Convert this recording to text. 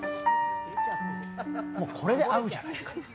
もう、これで合うじゃないですか。